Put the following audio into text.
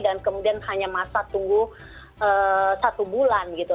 dan kemudian hanya masa tunggu satu bulan gitu